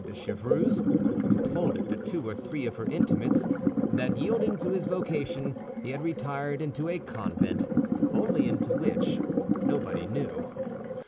de Chevreuse, who told it to two or three of her intimates, that, yielding to his vocation, he had retired into a convent—only into which, nobody knew.